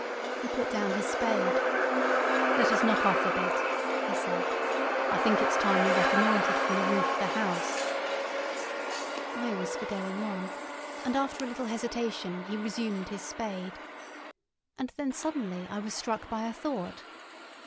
He put down his spade. "Let us knock off a bit" he said. "I think it's time we reconnoitred from the roof of the house." I was for going on, and after a little hesitation he resumed his spade; and then suddenly I was struck by a thought.